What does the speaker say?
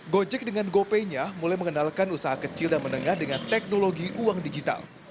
gojek dengan gopay nya mulai mengenalkan usaha kecil dan menengah dengan teknologi uang digital